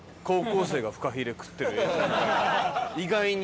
意外に。